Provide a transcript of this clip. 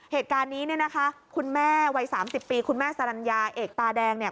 เหตุการณ์นี้เนี่ยนะคะคุณแม่วัย๓๐ปีคุณแม่สรรัญญาเอกตาแดงเนี่ย